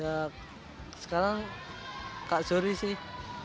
ya sekarang kak zori sih